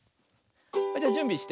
じゃじゅんびして。